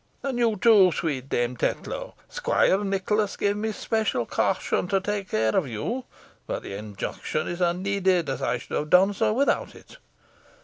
And you, too, sweet Dame Tetlow. Squire Nicholas gave me special caution to take care of you, but the injunction was unneeded, as I should have done so without it.